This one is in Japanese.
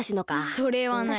それはない。